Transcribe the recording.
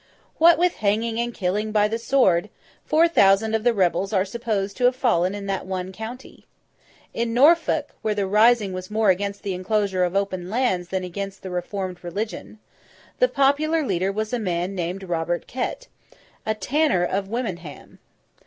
What with hanging and killing by the sword, four thousand of the rebels are supposed to have fallen in that one county. In Norfolk (where the rising was more against the enclosure of open lands than against the reformed religion), the popular leader was a man named Robert Ket, a tanner of Wymondham.